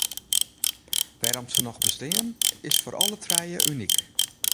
Wêrom’t se noch bestean, is foar alle trije unyk.